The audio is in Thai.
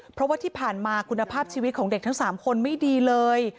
เพราะว่าที่ผ่านมาคุณภาพชีวิตของเด็กทั้ง๓คนไม่ดีเลย